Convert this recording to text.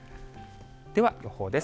では、予報です。